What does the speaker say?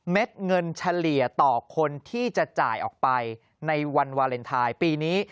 เงินเฉลี่ยต่อคนที่จะจ่ายออกไปในวันวาเลนไทยปีนี้